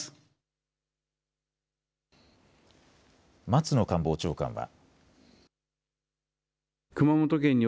松野官房長官は。